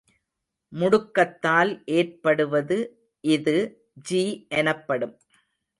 முடுக்கத்தால் ஏற்படுவது இது ஜி எனப்படும்.